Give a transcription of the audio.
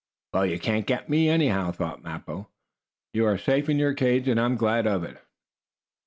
"Well, you can't get me, anyhow," thought Mappo. "You are safe in your cage, and I am glad of it."